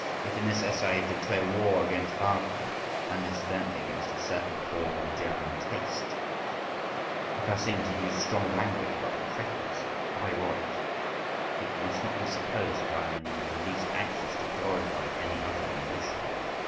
… If in this essay I declare war against Wagner—and incidentally against a certain form of German taste, if I seem to use strong language about the cretinism of Bayreuth, it must not be supposed that I am in the least anxious to glorify any other musician.